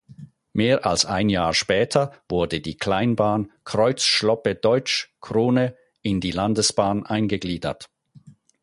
Mehr als ein Jahr später wurde die Kleinbahn Kreuz–Schloppe–Deutsch Krone in die Landesbahn eingegliedert.